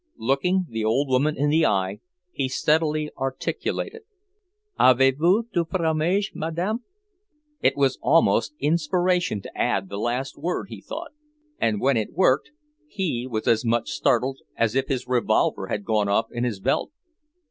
Looking the old woman in the eye, he steadily articulated: "Avez vous du fromage, Madame?" It was almost inspiration to add the last word, he thought; and when it worked, he was as much startled as if his revolver had gone off in his belt.